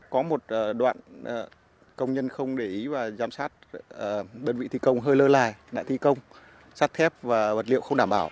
có một đoạn công nhân không để ý và giám sát đơn vị thi công hơi lơ lài đã thi công sắt thép và vật liệu không đảm bảo